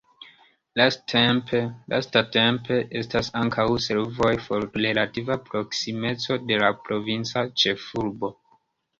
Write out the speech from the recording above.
Lastatempe estas ankaŭ servoj pro relativa proksimeco de la provinca ĉefurbo.